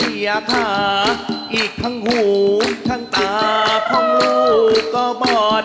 อีกทั้งหูทั้งตาของลูกก็บอด